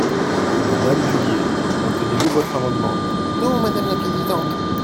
Madame Dubié, maintenez-vous votre amendement ? Non, madame la présidente.